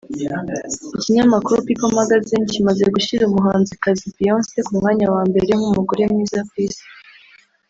Ikinyamakuru People Magazine kimaze gushyira umuhanzikazi Beyonce ku mwanya wa mbere nk’umugore mwiza ku isi